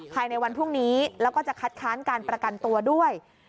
ภายในวันพรุ่งนี้แล้วก็จะคัดค้านการประกันตัวด้วย